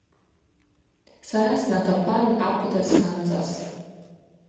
Сара снатапан ахъвда самцӏастӏ.